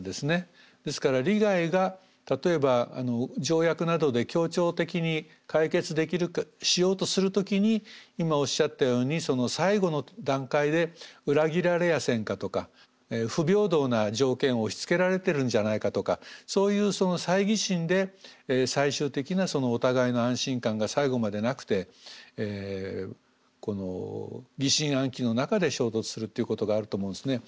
ですから利害が例えば条約などで協調的に解決しようとする時に今おっしゃったように最後の段階で裏切られやせんかとか不平等な条件を押しつけられてるんじゃないかとかそういう猜疑心で最終的なお互いの安心感が最後までなくて疑心暗鬼の中で衝突するっていうことがあると思うんですね。